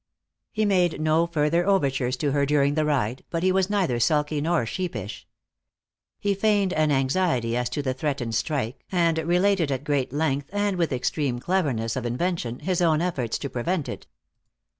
He made no further overtures to her during the ride, but he was neither sulky nor sheepish. He feigned an anxiety as to the threatened strike, and related at great length and with extreme cleverness of invention his own efforts to prevent it.